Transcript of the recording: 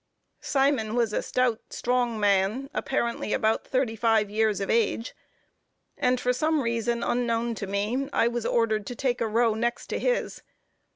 Simon was a stout, strong man, apparently about thirty five years of age; and for some reason unknown to me, I was ordered to take a row next to his.